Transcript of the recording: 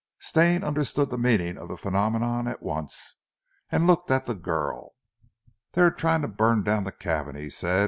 Stane understood the meaning of the phenomenon at once, and looked at the girl. "They are trying to burn down the cabin," he said.